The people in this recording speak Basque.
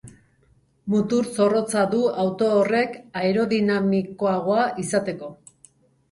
Mutur zorrotza du auto horrek aerodinamikoagoa izateko.